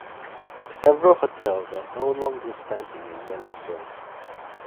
Several hotels are no longer standing in Yellowstone.